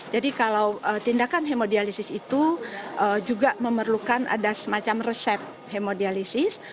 jadi kalau tindakan hemodialisis itu juga memerlukan ada semacam resep hemodialisis